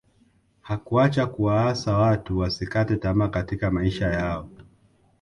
hakuacha kuwaasa watu wasikate tamaa katika maisha yao